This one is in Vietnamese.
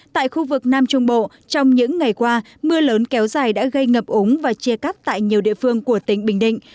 tại khu vực nam trung bộ trong những ngày qua mưa lớn kéo dài đã gây ngập úng và chia cắt tại nhiều địa phương của tỉnh bình định